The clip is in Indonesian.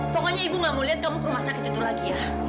pokoknya ibu gak mau lihat kamu ke rumah sakit itu lagi ya